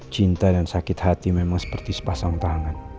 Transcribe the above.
cinta dan sakit hati memang seperti sepasang tangan